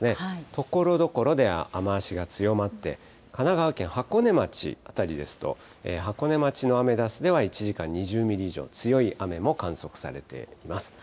ところどころで雨足が強まって、神奈川県箱根町辺りですと、箱根町のアメダスでは１時間２０ミリ以上、強い雨も観測されています。